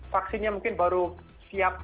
vaksinnya mungkin baru siap